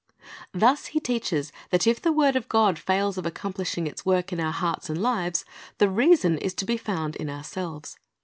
Thus He teaches that if the word of God fails of accom plishing its work in our hearts and lives, the reason is to be found in ourselves.